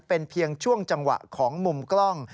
เป็นเพียงช่วงจังหวะของมุมกล้อง